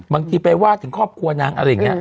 บางทีไปว่าถึงครอบครัวนางอะไรอย่างนี้